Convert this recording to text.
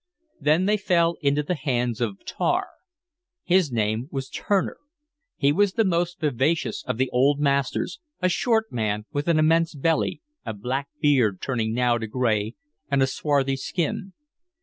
Then they fell into the hands of Tar. His name was Turner; he was the most vivacious of the old masters, a short man with an immense belly, a black beard turning now to gray, and a swarthy skin.